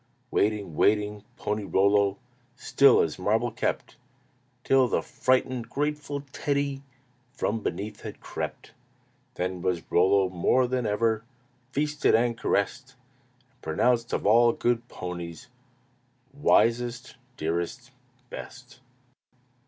Waiting, waiting, Pony Rollo Still as marble kept, Till the frightened, grateful Teddy From beneath had crept. Then was Rollo more than ever Feasted and caressed, And pronounced of all good ponies Wisest, dearest, best.